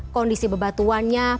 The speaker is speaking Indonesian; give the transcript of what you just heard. kondisi bebatuannya pergerakan